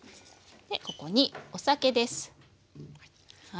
ここにお酒です。